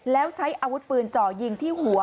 แล้วใช้อาวุธปืนเจาะยิงที่หัว